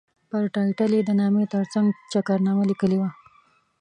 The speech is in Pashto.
پر ټایټل یې د نامې ترڅنګ چکرنامه لیکلې وه.